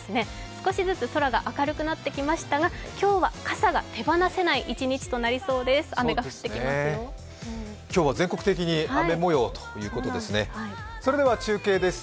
少しずつ空が明るくなってきましたが、今日は傘が手放せない一日です。